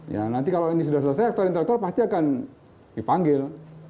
ya nanti kalau ini sudah selesai aktor intelektual pasti akan dipanggil